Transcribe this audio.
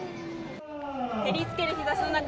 照り付ける日差しの中